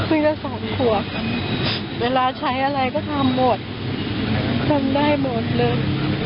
ปีละสองขวบเวลาใช้อะไรก็ทำหมดทำได้หมดเลย